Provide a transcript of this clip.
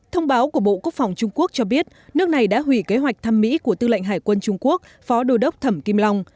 thông báo của bộ quốc phòng trung quốc cho biết nước này đã hủy kế hoạch thăm mỹ của tư lệnh hải quân trung quốc phó đô đốc thẩm kim long